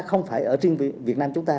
không phải ở việt nam chúng ta